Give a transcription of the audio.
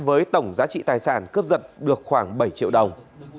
với tổng giá trị tài sản cướp giật được khoảng bảy triệu đồng